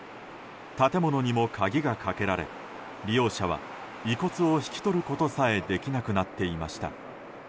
建物にも鍵がかけられ利用者は遺骨を引き取ることさえできなくなっていました。